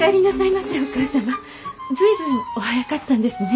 随分お早かったんですね。